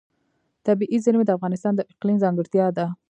طبیعي زیرمې د افغانستان د اقلیم ځانګړتیا ده.